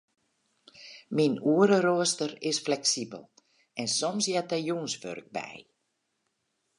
Myn oereroaster is fleksibel en soms heart der jûnswurk by.